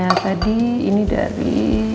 ya tadi ini dari